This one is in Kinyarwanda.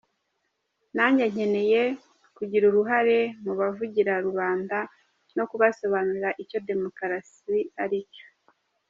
Nanjye nkeneye kugira uruhare mu bavugira rubanda no kubasobanurira icyo demokarasi ari cyo.